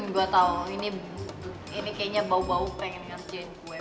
gue tau ini kayaknya bau bau pengen ngerjain kue